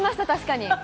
確かに。